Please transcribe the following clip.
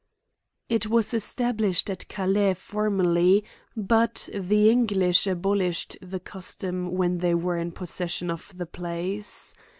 It was established at^,Calais formerly', but the En glish abolished the custom when they were in possession of the place.